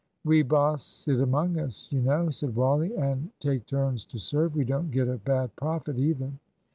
"We boss it among us, you know," said Wally, "and take turns to serve. We don't get a bad profit either."